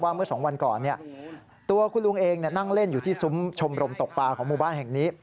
เมื่อ๒วันก่อนตัวคุณลุงเองนั่งเล่นอยู่ที่ซุ้มชมรมตกปลาของหมู่บ้านแห่งนี้